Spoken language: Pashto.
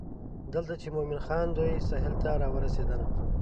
دلته چې مومن خان دوی سهیل ته راورسېدل.